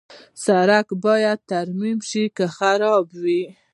سړک باید ترمیم شي که خراب وي.